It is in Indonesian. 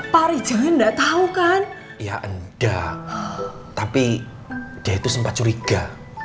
pak rijal enggak tahu kan ya enggak tapi dia itu sempat curiga